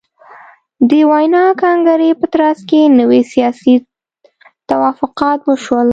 د ویانا کنګرې په ترڅ کې نوي سیاسي توافقات وشول.